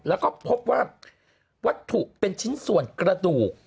แล้วก็พบว่าวัตถุเป็นชิ้นส่วนกระดูก